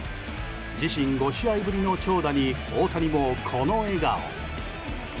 自身５試合ぶりの長打に大谷もこの笑顔。